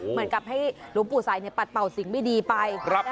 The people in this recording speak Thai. เหมือนกับให้หลวงปู่ใสปัดเป่าสิ่งไม่ดีไป